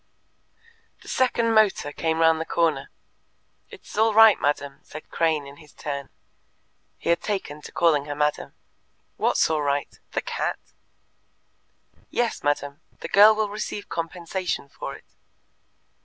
The second motor came round the corner. "lt is all right, madam," said Crane in his turn. He had taken to calling her madam. "What's all right? The cat?" "Yes, madam. The girl will receive compensation for it."